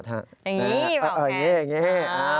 อย่างนี้เป่าแคนอย่างนี้